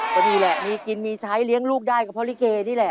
คือนี่แหละนี่กินนี่ใช้เลี้ยงลูกได้กับริเกย์นี่แหละ